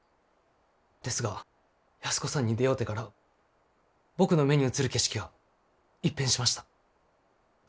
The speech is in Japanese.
ですが安子さんに出会うてから僕の目に映る景色が一変しました。